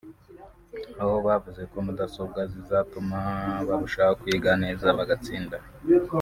aho bavuze ko mudasobwa zizatuma barushaho kwiga neza bagatsinda